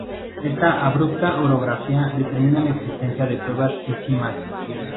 Esta abrupta orografía determina la existencia de cuevas y simas.